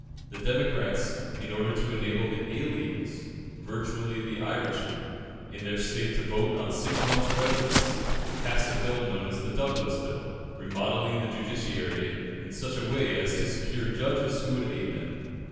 The Democrats, in order to enable the aliens virtually the Irishmen in their state to vote on six months' residence, passed a Bill known as the Douglas Bill, remodelling the judiciary in such a way as to secure judges who would aid them.